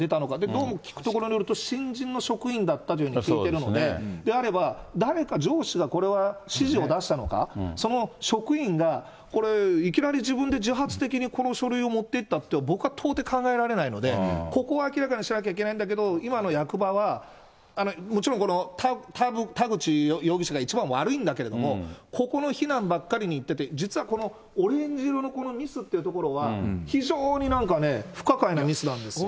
どうも聞くところによると、新人の職員だったというように聞いていたので、であれば、誰か上司が、これは指示を出したのか、その職員がこれ、いきなり自分で自発的に、この書類を持ってたって、僕は到底考えられないので、ここを明らかにしなきゃいけないんだけど、今の役場は、もちろんこの田口容疑者がいちばん悪いんだけども、ここの非難ばっかり言ってて、実はこのオレンジ色のこのミスというところは、非常になんかね、不可解なミスなんです。